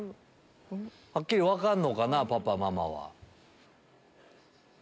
はっきり分かるのかなパパママは。